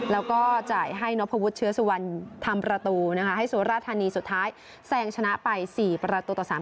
แล้วก็จ่ายให้นพวุฒิเชื้อสุวรรณทำประตูนะคะให้สุราธานีสุดท้ายแซงชนะไป๔ประตูต่อ๓